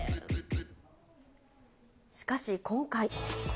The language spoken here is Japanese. しかし今回。